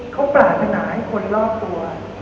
เขาปรารถนาให้คนรอบตัว